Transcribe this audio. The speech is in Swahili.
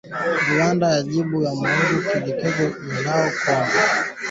Rwanda yajibu Jamhuri ya kidemokrasia ya Kongo.